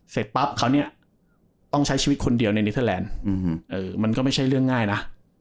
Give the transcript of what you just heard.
เสร็จปั๊บเขาเนี่ยต้องใช้ชีวิตคนเดียวในเนเทอร์แลนด์มันก็ไม่ใช่เรื่องง่ายนะ